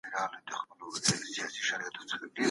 د خلګو رایه د هیواد راتلونکی ټاکي.